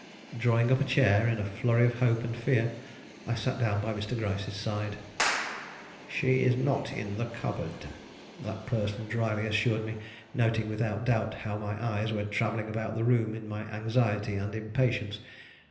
Drawing up a chair in a flurry of hope and fear, I sat down by Mr. Gryce's side. "She is not in the cupboard," that person dryly assured me, noting without doubt how my eyes went travelling about the room in my anxiety and impatience.